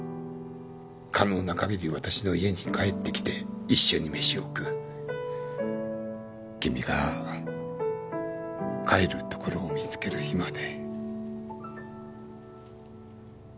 可能なかぎり私の家に帰ってきて一緒に飯君が帰る所を見つける日まで。